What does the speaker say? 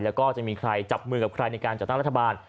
แล้วก็จะมีใครจับมือกับใครในการจัดตั้งรัฐบาล